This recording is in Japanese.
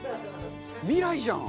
未来じゃん！